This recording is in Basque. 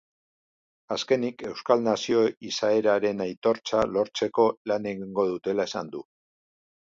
Azkenik, euskal nazio izaeraren aitortza lortzeko lan egingo dutela esan du.